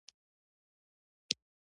ژوند ستونزمن شو.